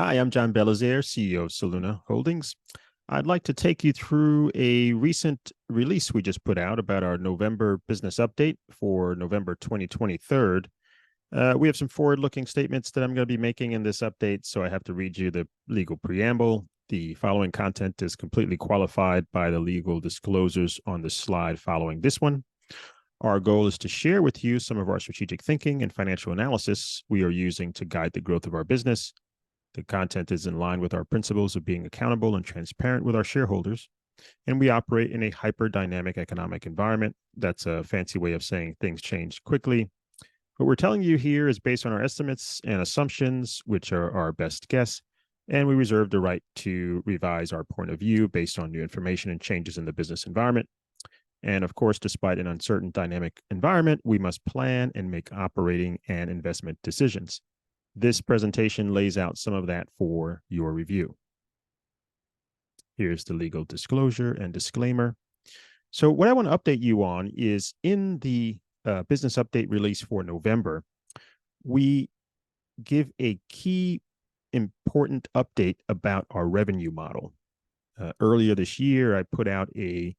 Hi, I'm John Belizaire, CEO of Soluna Holdings. I'd like to take you through a recent release we just put out about our November business update for November 2023. We have some forward-looking statements that I'm gonna be making in this updateS, so I have to read you the legal preamble. The following content is completely qualified by the legal disclosures on the slide following this one. Our goal is to share with you some of our strategic thinking and financial analysis we are using to guide the growth of our business. The content is in line with our principles of being accountable and transparent with our shareholders, and we operate in a hyper-dynamic economic environment. That's a fancy way of saying things change quickly. What we're telling you here is based on our estimates and assumptions, which are our best guess, and we reserve the right to revise our point of view based on new information and changes in the business environment. Of course, despite an uncertain dynamic environment, we must plan and make operating and investment decisions. This presentation lays out some of that for your review. Here's the legal disclosure and disclaimer. What I want to update you on is in the business update release for November, we give a key important update about our revenue model. Earlier this year, I put out an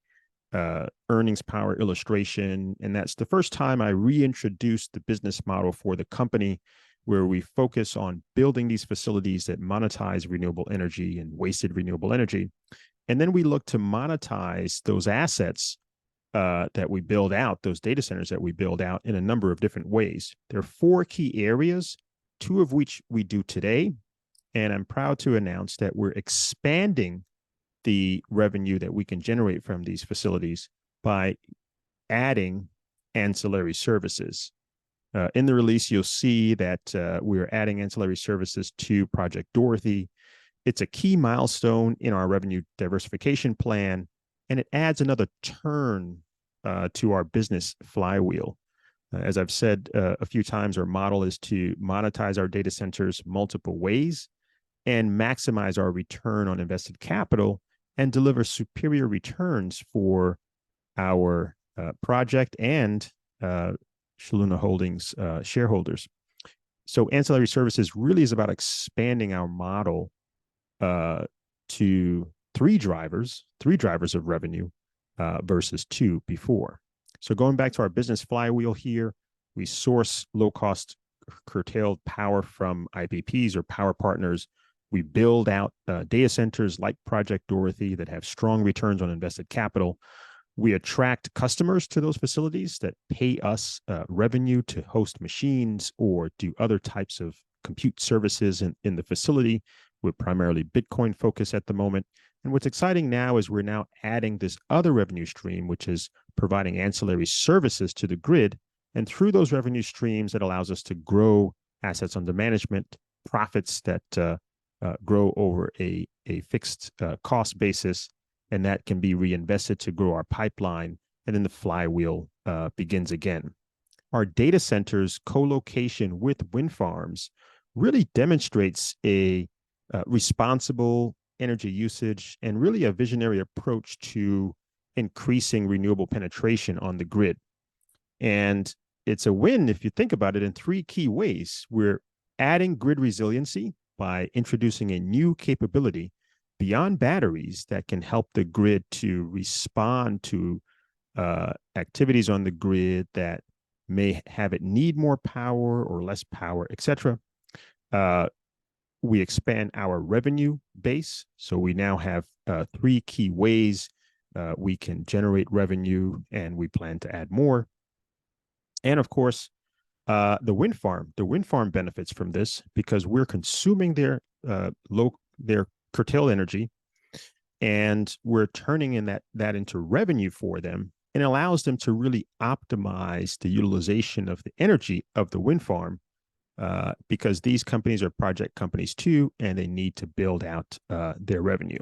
earnings power illustration, and that's the first time I reintroduced the business model for the company, where we focus on building these facilities that monetize renewable energy and wasted renewable energy. Then we look to monetize those assets that we build out, those data centers that we build out, in a number of different ways. There are four key areas, two of which we do today, and I'm proud to announce that we're expanding the revenue that we can generate from these facilities by adding ancillary services. In the release, you'll see that we are adding ancillary services to Project Dorothy. It's a key milestone in our revenue diversification plan, and it adds another turn to our business flywheel. As I've said a few times, our model is to monetize our data centers multiple ways and maximize our return on invested capital and deliver superior returns for our project and Soluna Holdings shareholders. So ancillary services really is about expanding our model to three drivers, three drivers of revenue versus two before. So going back to our business flywheel here, we source low-cost curtailed power from IPPs or Power Partners. We build out data centers like Project Dorothy that have strong returns on invested capital. We attract customers to those facilities that pay us revenue to host machines or do other types of compute services in the facility. We're primarily Bitcoin-focused at the moment. And what's exciting now is we're now adding this other revenue stream, which is providing ancillary services to the grid, and through those revenue streams, that allows us to grow assets under management, profits that grow over a fixed cost basis, and that can be reinvested to grow our pipeline, and then the flywheel begins again. Our data centers co-location with wind farms really demonstrates a responsible energy usage and really a visionary approach to increasing renewable penetration on the grid. It's a win, if you think about it, in three key ways. We're adding grid resiliency by introducing a new capability beyond batteries that can help the grid to respond to activities on the grid that may have it need more power or less power, et cetera. We expand our revenue base, so we now have three key ways we can generate revenue, and we plan to add more. Of course, the wind farm. The wind farm benefits from this because we're consuming their curtail energy, and we're turning that into revenue for them. It allows them to really optimize the utilization of the energy of the wind farm, because these companies are project companies too, and they need to build out their revenue.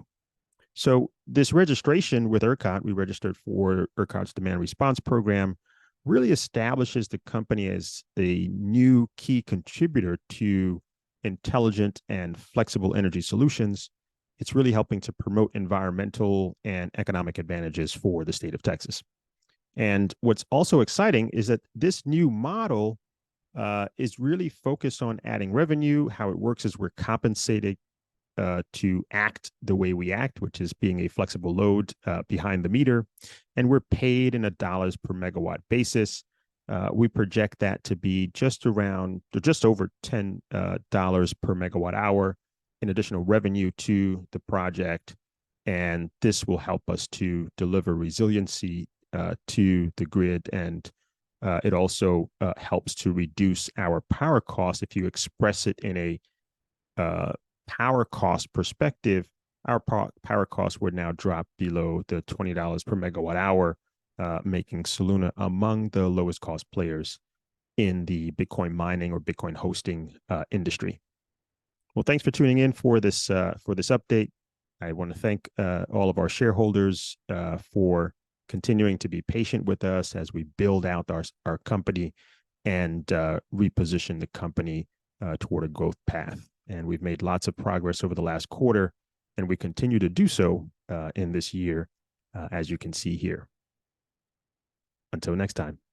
So this registration with ERCOT, we registered for ERCOT's demand response program, really establishes the company as a new key contributor to intelligent and flexible energy solutions. It's really helping to promote environmental and economic advantages for the state of Texas. And what's also exciting is that this new model is really focused on adding revenue. How it works is we're compensated to act the way we act, which is being a flexible load behind the meter, and we're paid in a $1 per MW basis. We project that to be just over $10 per MWh in additional revenue to the project, and this will help us to deliver resiliency to the grid, and it also helps to reduce our power cost. If you express it in a power cost perspective, our power costs would now drop below $20 per MWh, making Soluna among the lowest cost players in the Bitcoin mining or Bitcoin hosting industry. Well, thanks for tuning in for this update. I want to thank all of our shareholders for continuing to be patient with us as we build out our company and reposition the company toward a growth path. We've made lots of progress over the last quarter, and we continue to do so, in this year, as you can see here. Until next time.